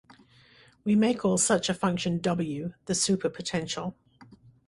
We may call such a function "W", the superpotential.